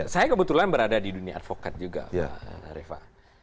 saya kebetulan berada di dunia advokat juga pak reva